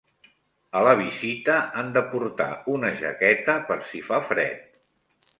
A la visita han de portar una jaqueta per si fa fred.